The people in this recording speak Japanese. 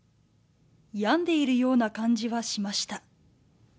病んでいるような感じはしました。